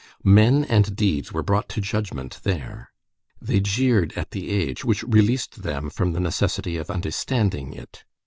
Men and deeds were brought to judgment there. They jeered at the age, which released them from the necessity of understanding it.